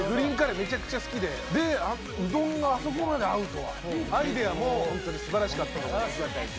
めちゃくちゃ好きででうどんがあそこまで合うとはアイデアもホントに素晴らしかったと思います